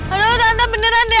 aduh tante beneran deh